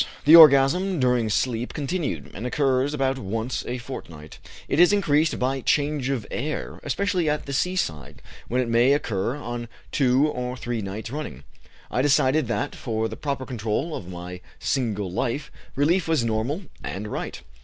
(The orgasm during sleep continued, and occurs about once a fortnight; it is increased by change of air, especially at the seaside, when it may occur on two or three nights running.) I decided that, for the proper control of my single life, relief was normal and right.